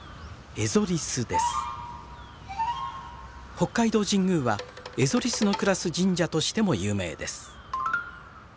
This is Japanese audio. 北海道神宮はエゾリスの暮らす神社としても有名です。